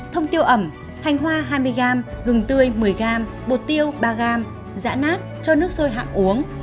thông tiêu ẩm hành hoa hai mươi g gừng tươi một mươi g bột tiêu ba g giã nát cho nước sôi hạng uống